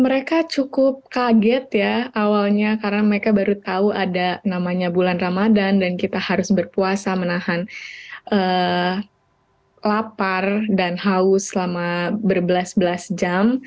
mereka cukup kaget ya awalnya karena mereka baru tahu ada namanya bulan ramadan dan kita harus berpuasa menahan lapar dan haus selama berbelas belas jam